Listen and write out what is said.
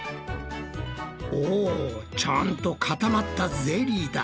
おちゃんと固まったゼリーだ。